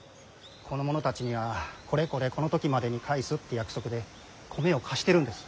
この者たちには「これこれこの時までに返す」って約束で米を貸してるんです。